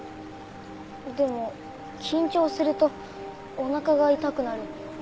でも緊張するとおなかが痛くなる。